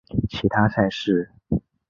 其他赛事